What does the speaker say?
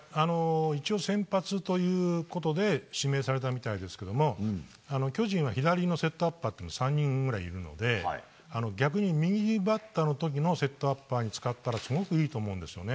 一応、先発ということで指名されたみたいですけれども巨人は左のセットアッパーが３人ぐらいいるので逆に右バッターの時のセットアッパーに使ったらすごくいいと思うんですよね。